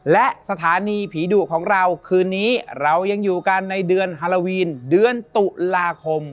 และสถานีผีดุของเราคืนนี้เรายังอยู่กันในเดือนฮาโลวีนเดือนตุลาคม